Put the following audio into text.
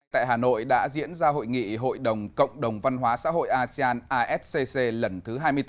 tại hà nội đã diễn ra hội nghị hội đồng cộng đồng văn hóa xã hội asean ascc lần thứ hai mươi bốn